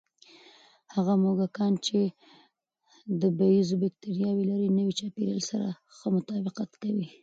هغه موږکان چې د بیزو بکتریاوې لري، نوي چاپېریال سره ښه تطابق کوي.